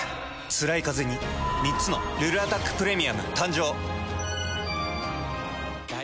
つらいカゼに３つの「ルルアタックプレミアム」誕生。